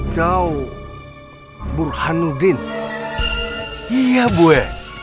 kau burhanuddin iya gue